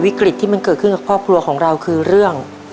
วิกฤตที่มันเกิดขึ้นกับครอบครัวของเราคือเรื่อง